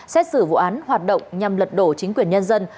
xét xử vụ án hoạt động nhằm lật đổ chính quyền nhân dân